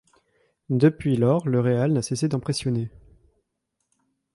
Depuis lors, le Real n'a cessé d'impressionner.